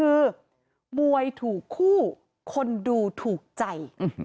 คือมวยถูกคู่คนดูถูกใจ